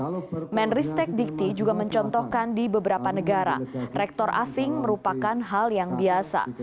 menristek dikti juga mencontohkan di beberapa negara rektor asing merupakan hal yang biasa